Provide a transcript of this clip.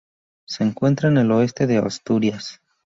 Se encuentra en el oeste de Asturias.